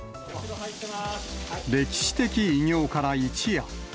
歴史的偉業から一夜。